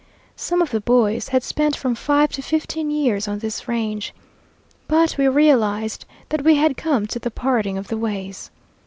Some of the boys had spent from five to fifteen years on this range. But we realized that we had come to the parting of the ways.